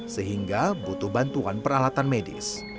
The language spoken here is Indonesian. sehingga butuh bantuan peralatan medis